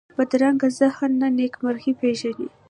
بدرنګه ذهن نه نېکمرغي پېژني